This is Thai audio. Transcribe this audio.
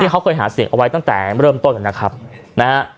เขาเคยหาเสียงเอาไว้ตั้งแต่เริ่มต้นนะครับนะฮะ